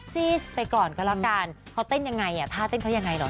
ซีดไปก่อนก็แล้วกันเขาเต้นยังไงอ่ะท่าเต้นเขายังไงหรอ